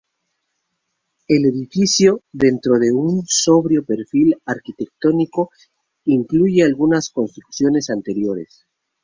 El edificio, dentro de un sobrio perfil arquitectónico, incluye algunas construcciones anteriores.